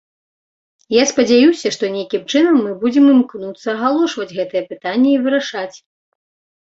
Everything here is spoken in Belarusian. Я спадзяюся, што нейкім чынам мы будзем імкнуцца агалошваць гэтае пытанне і вырашаць.